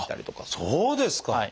そうですか！